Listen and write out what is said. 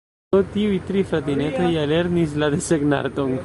"Do, tiuj tri fratinetoj ja lernis la desegnarton".